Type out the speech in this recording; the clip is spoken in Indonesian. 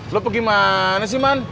lo pergi mana sih man